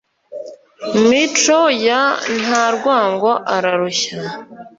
Mico ya Nta-rwango ararushya